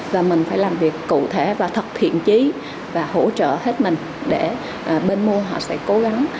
và mình phải làm việc cụ thể và thật thiện trí và hỗ trợ hết mình để bên mua họ sẽ cố gắng